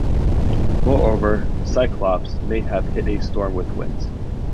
Moreover, "Cyclops" may have hit a storm with winds.